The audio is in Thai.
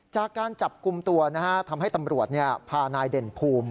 จากการจับกลุ่มตัวทำให้ตำรวจพานายเด่นภูมิ